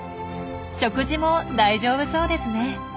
食事も大丈夫そうですね。